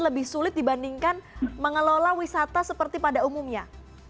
lebih sulit dibandingkan mengelola wisata seperti pada umumnya